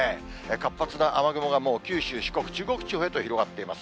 活発な雨雲が、もう九州、四国、中国地方へと広がっています。